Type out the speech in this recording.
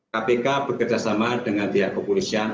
kpk bekerjasama dengan pihak kepolisian